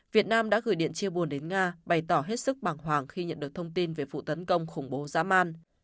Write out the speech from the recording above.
việt nam đã gửi điện chia buồn đến nga bày tỏ hết sức bằng hoàng khi nhận được thông tin về vụ tấn công khủng bố giá man